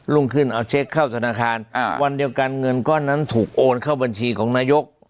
รุ่งขึ้นเอาเช็คเข้าธนาคารวันเดียวกันเงินก้อนนั้นถูกโอนเข้าบัญชีของนายก